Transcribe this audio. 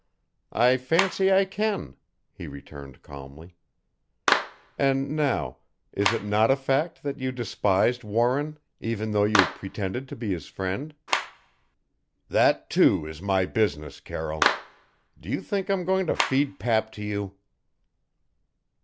"I fancy I can," he returned calmly. "And now: is it not a fact that you despised Warren even though you pretended to be his friend?" "That, too, is my business, Carroll. Do you think I'm going to feed pap to you?"